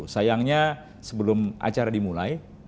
sayangnya sebelum acara dimulai